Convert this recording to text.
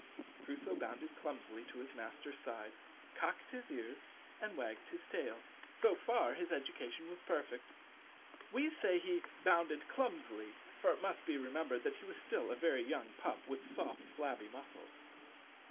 Crusoe bounded clumsily to his master's side, cocked his ears, and wagged his tail, so far his education was perfect. We say he bounded clumsily, for it must be remembered that he was still a very young pup, with soft, flabby muscles.